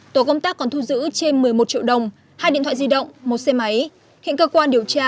tổ công tác còn thu giữ trên một mươi một triệu đồng hai điện thoại di động một xe máy hiện cơ quan điều tra